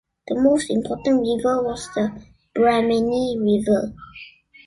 The most important river was the Brahmani River.